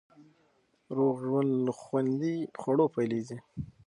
روغ ژوند له خوندي خوړو پیلېږي.